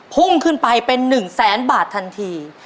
พุ่งขึ้นไปเป็น๑แสนบาททันที